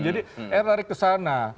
jadi eh lari ke sana